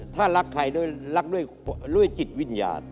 ถ้ารักใครด้วยรักด้วยจิตวิญญาณ